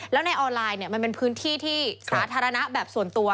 แล้วในออนไลน์เนี่ยมันเป็นพื้นที่ที่สาธารณะแบบส่วนตัว